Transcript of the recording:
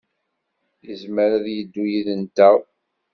Yezmer ad yeddu yid-nteɣ.